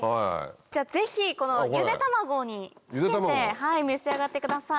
じゃあぜひゆで卵に付けて召し上がってください。